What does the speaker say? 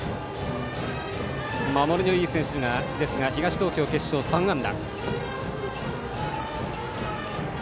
守りのいい選手ですが東東京の決勝では３安打。